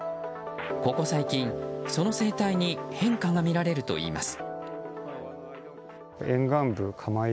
ここ最近その生態に変化がみられるといいます。